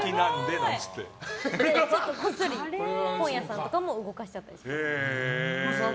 こっそり本屋さんとかも動かしちゃったりします。